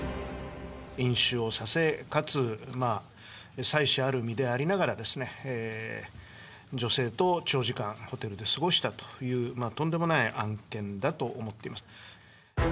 飲酒をさせ、かつ妻子ある身でありながら、女性と長時間ホテルで過ごしたという、とんでもない案件だと思っています。